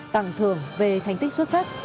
tặng thưởng về thành tích xuất sắc